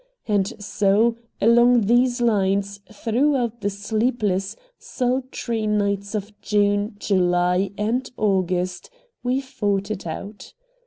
And so, along these lines, throughout the sleepless, sultry nights of June, July, and August, we fought it out.